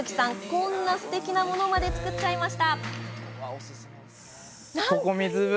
こんな、すてきなものまで作っちゃいました。